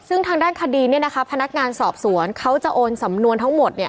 ซึ่งทางด้านคดีเนี่ยนะคะพนักงานสอบสวนเขาจะโอนสำนวนทั้งหมดเนี่ย